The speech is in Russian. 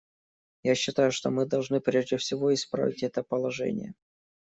Я считаю, что мы должны прежде всего исправить это положение.